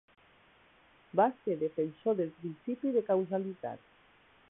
Va ser defensor del principi de causalitat.